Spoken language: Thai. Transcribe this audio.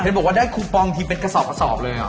เผ็ดบอกว่าได้คูปองคือเป็นกระสอบเลยอ่ะ